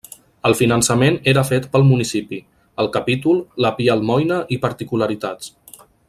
El finançament era fet pel Municipi, el capítol, la Pia Almoina i particularitats.